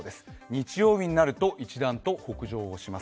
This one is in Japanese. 日曜日になると、一段と北上します